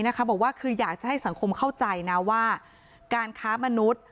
บอกว่าคืออยากจะให้สังคมเข้าใจนะว่าการค้ามนุษย์